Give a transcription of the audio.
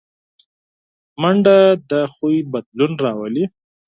منډه د عادت بدلون راولي